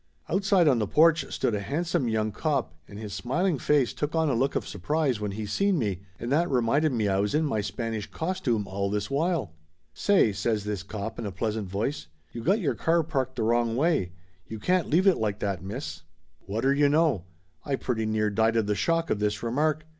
Outside on the porch stood a handsome young cop and his smiling face took on a look of surprise when he seen me and that reminded me I was in my Spanish costume all this while. "Say !" says this cop in a pleasant voice. "You got your car parked the wrong way. You can't leave it like that, miss!" Whatter you know ! I pretty near died of the shock of this remark.